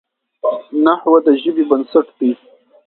نحوه د ژبي بنسټ دئ.